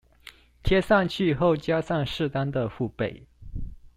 貼上去後加上適當的護貝